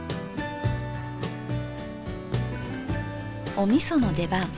おみその出番。